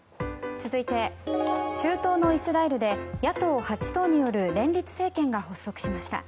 続いて中東のイスラエルで野党８党による連立政権が発足しました。